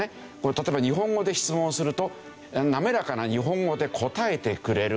例えば日本語で質問をすると滑らかな日本語で答えてくれる。